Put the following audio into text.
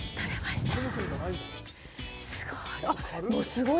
すごい。